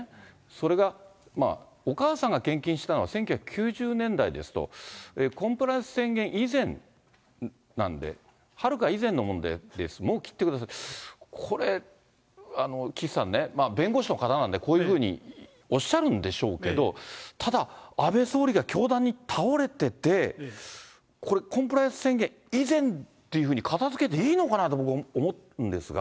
それが、お母さんが献金したのは１９９０年代ですと、コンプライアンス宣言以前なんで、はるか以前の問題です、もう切ってください、これ、岸さんね、弁護士の方なんで、こういうふうにおっしゃるんでしょうけど、ただ、安倍総理が凶弾に倒れてて、これ、コンプライアンス宣言以前っていうふうに片づけていいのかなと、僕思うんですが。